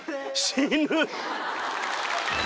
死ぬ！